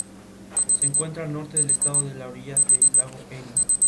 Fue miembro de la Real Academia Hispanoamericana de Ciencias y Artes.